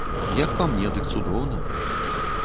Як па мне, дык цудоўна.